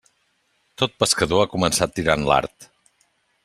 Tot pescador ha començat tirant l'art.